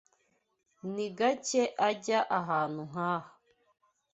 Ni gake ajya ahantu nkaha.